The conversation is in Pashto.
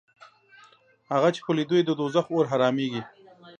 هغه چې په لیدو یې د دوزخ اور حرامېږي